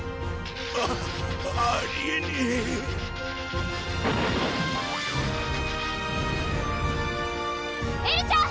あありえねぇエルちゃん！